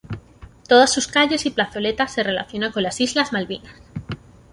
Todas sus calles y plazoleta se relacionan con las islas Malvinas.